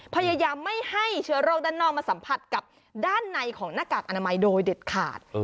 พยายามไม่ให้เชื้อโรคด้านนอกมาสัมผัสกับด้านในของหน้ากากอนามัยโดยเด็ดขาด